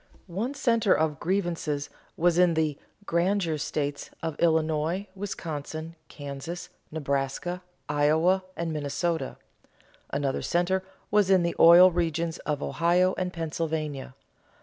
One center of grievances was in "the granger states" of Illinois, Wisconsin, Kansas, Nebraska, Iowa, and Minnesota; another center was in the oil regions of Ohio and Pennsylvania.